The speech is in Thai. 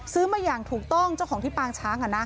ซื้อมาอย่างถูกต้องเจ้าของที่ปางช้าง